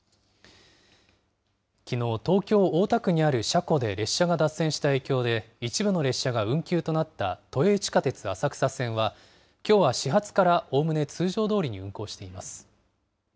きのう、東京・大田区にある車庫で列車が脱線した影響で、一部の列車が運休となった都営地下鉄浅草線は、きょうは始発からおおむね通常どおりに運行しています。